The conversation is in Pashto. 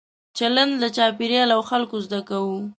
چلند له چاپېریال او خلکو زده کوو.